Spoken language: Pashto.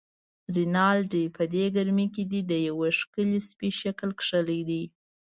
رینالډي: په دې ګرمۍ کې دې د یوه ښکلي سپي شکل کښلی دی.